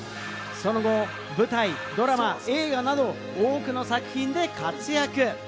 その後、舞台・ドラマ・映画など多くの作品で活躍。